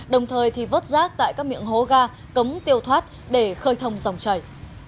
đồng thời thì vớt rác tại các miệng hố ga cống tiêu thoát để khơi thông dòng chảy